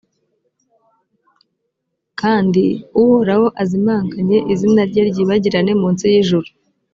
kandi uhoraho azimanganye izina rye ryibagirane mu nsi y’ijuru.